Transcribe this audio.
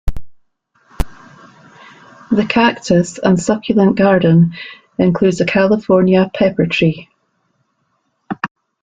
The Cactus and Succulent Garden includes a California pepper tree.